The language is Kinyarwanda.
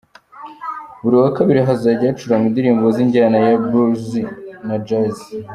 Buri wa kabiri:Hazajya hacurangwa indirimbo z’injyana ya Blues na Jazz.